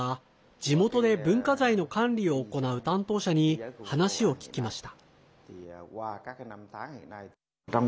地元で文化財の管理を行う担当者に話を聞きました。